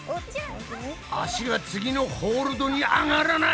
足が次のホールドに上がらない。